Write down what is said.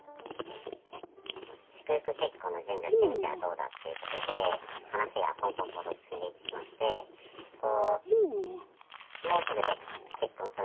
祝福結婚の準備をしてみてはどうだということで、話がぽんぽんぽんと進んでいってしまって、もうすぐで祝福